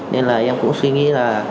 nên là em cũng suy nghĩ là